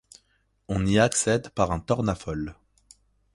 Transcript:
On y accède par un tornafol.